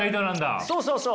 そうそうそう！